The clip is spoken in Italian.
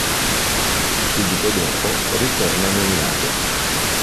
Subito dopo ritorna nel lago.